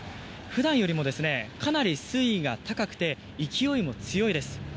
普段よりもかなり水位が高くて勢いも強いです。